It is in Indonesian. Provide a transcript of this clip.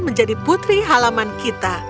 menjadi putri halaman kita